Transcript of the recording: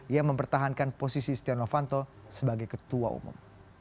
yang mempertahankan posisi stiano fanto sebagai ketua umum